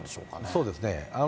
そうですね。